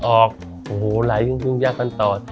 โอ้โหหลายอย่างยากกันตอน